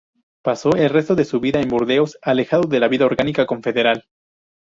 Pasó el resto de su vida en Burdeos, alejado de la vida orgánica confederal.